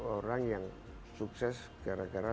orang yang sukses gara gara